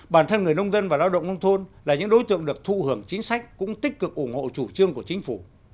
bản thân người nông dân và lao động nông thôn là những đối tượng được thụ hưởng chính sách cũng tích cực ủng hộ chủ trương của chính phủ